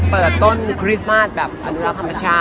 เปิดต้นคริสต์มาร์ทแบบอันดุลาภัมภาชา